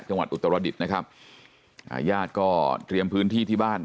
อุตรดิษฐ์นะครับอ่าญาติก็เตรียมพื้นที่ที่บ้าน